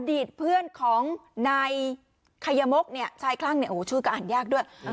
ตเพื่อนของนายไขมกเนี่ยชายคลั่งชื่อก็อ่านยากด้วย